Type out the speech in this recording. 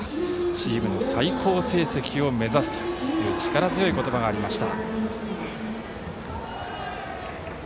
チームの最高成績を目指すと力強い言葉がありました。